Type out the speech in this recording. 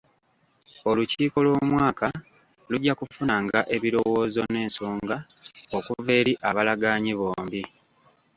Olukiiko lw'omwaka lujja kufunanga ebirowoozo n'ensonga okuva eri abalagaanyi bombi.